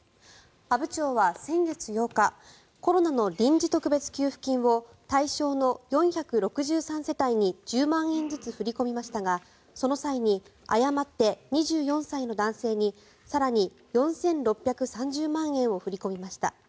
阿武町は先月８日コロナの臨時特別給付金を対象の４６３世帯に１０万円ずつ振り込みましたがその際に誤って２４歳の男性に更に４６３０万円を振り込みました。